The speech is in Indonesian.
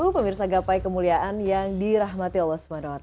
pemirsa gapai kemuliaan yang dirahmati allah swt